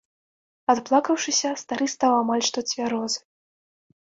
Адплакаўшыся, стары стаў амаль што цвярозы.